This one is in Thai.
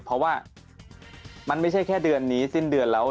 เพราะว่ามันไม่ใช่แค่เดือนนี้สิ้นเดือนแล้ว